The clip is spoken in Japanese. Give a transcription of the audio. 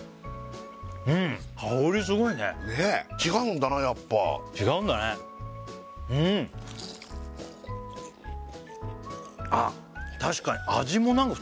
うん香りすごいねねえ違うんだなやっぱ違うんだねうんあっ